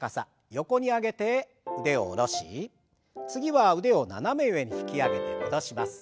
横に上げて腕を下ろし次は腕を斜め上に引き上げて戻します。